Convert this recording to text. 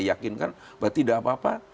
yakinkan tidak apa apa